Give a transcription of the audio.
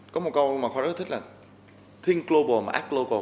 có một câu mà khoa rất thích là think global mà act global